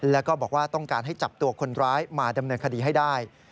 แล้วก็บอกว่าต้องการให้จับตัวคนร้ายมาดำเนินคดีให้ได้